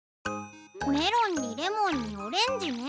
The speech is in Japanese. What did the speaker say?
メロンにレモンにオレンジね。